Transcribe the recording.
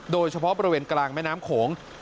โดยเฉพาะบริเวณกลางแม่น้ำโขง